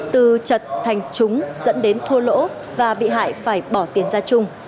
từ chật thành chúng dẫn đến thua lỗ và bị hại phải bỏ tiền ra chung